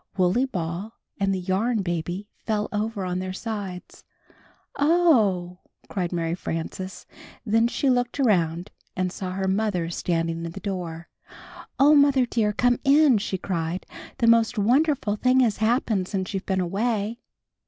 Wooley Ball and the Yarn Baby fell over on their sides. "Oh!" cried Mary Frances; then she looked around and saw her mother standing in the door. "Oh, Mother dear, come in," she cried. "The most wonderful thing has happened since you've been away!"